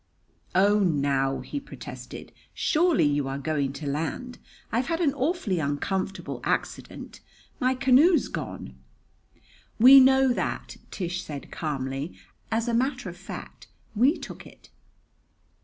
"Oh, now," he protested; "surely you are going to land! I've had an awfully uncomfortable accident my canoe's gone." "We know that," Tish said calmly. "As a matter of fact, we took it."